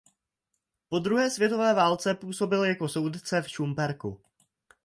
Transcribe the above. Po druhé světové válce působil jako soudce v Šumperku.